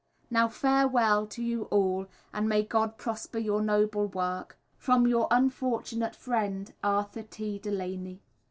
Now farewell to you all, and may God prosper your noble work. From your unfortunate friend, ARTHUR T. DELANEY.